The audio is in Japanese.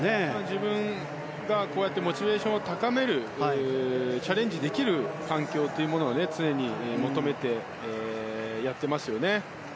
自分がモチベーションを高めるチャレンジできる環境を常に求めてやっていますよね。